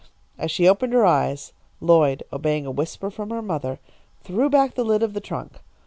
As she opened her eyes, Lloyd, obeying a whisper from her mother, threw back the lid of the trunk.